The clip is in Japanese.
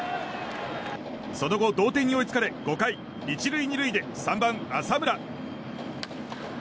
その後、同点に追いつかれ５回、１塁２塁で３番、浅村。